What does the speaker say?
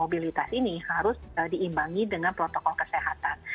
mobilitas ini harus diimbangi dengan protokol kesehatan